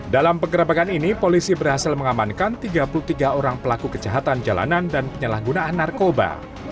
dalam penggerabakan ini polisi berhasil mengamankan tiga puluh tiga orang pelaku kejahatan jalanan dan penyalahgunaan narkoba